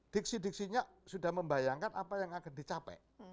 diksi diksinya sudah membayangkan apa yang akan dicapai